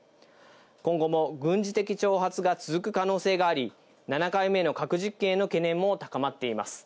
今後も軍事的挑発が続く可能性があり、７回目の核実験への懸念も高まっています。